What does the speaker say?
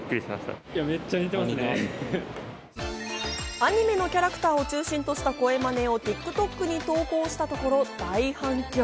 アニメのキャラクターを中心とした声まねをＴｉｋＴｏｋに投稿したところ大反響。